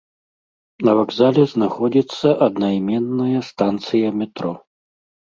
На вакзале знаходзіцца аднайменная станцыя метро.